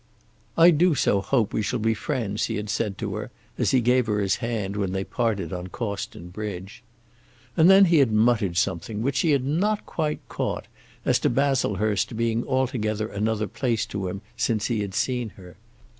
"I do so hope we shall be friends," he had said to her as he gave her his hand when they parted on Cawston bridge. And then he had muttered something, which she had not quite caught, as to Baslehurst being altogether another place to him since he had seen her.